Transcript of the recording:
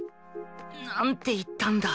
なんて言ったんだ？